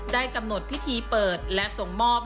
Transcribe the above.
กำหนดพิธีเปิดและส่งมอบ